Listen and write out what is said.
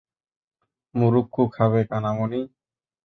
মুরুক্কু খাবে, কানামাণি।